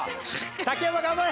竹山頑張れ！